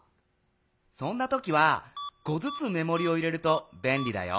そんなときは５ずつめもりを入れるとべんりだよ。